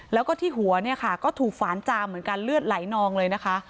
แล้วก็ที่หัวเนี่ยค่ะก็ถูกฝานจามเหมือนกันเลือดไหลนองเลยนะคะ